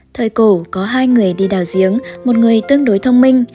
thời cổ có hai người đi đào giếng một người tương đối thông minh